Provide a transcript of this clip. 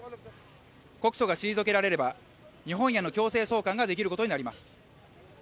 告訴が退けられれば日本への強制送還ができることになります